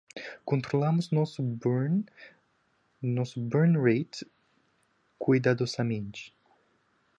Controlamos nosso burn rate cuidadosamente.